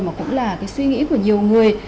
mà cũng là cái suy nghĩ của nhiều người